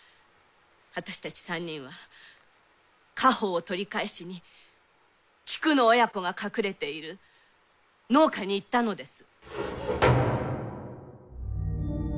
私たち３人は家宝を取り返しに菊乃親子が隠れている農家に行ったのです。